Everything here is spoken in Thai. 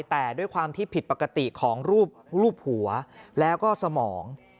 แต่ด้วยความที่ผิดปกติของรูปหัวแล้วก็สมอง